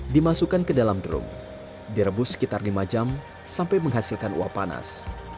dimasukkan ke dalam drum direbus sekitar lima jam sampai menghasilkan uap panas